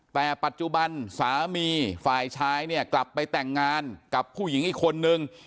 แต่ปัจจุบันสามีฝ่ายชายเนี่ยกลับไปแต่งงานกับผู้หญิงอีกคนนึง